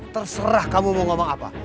terserah kamu mau ngomong apa